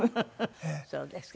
そうですか。